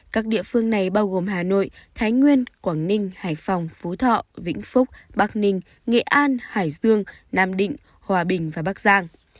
các địa phương này bao gồm hà nội thái nguyên quảng ninh hải phòng phú thọ vĩnh phúc bắc ninh nghệ an hải dương nam định hòa bình và bắc giang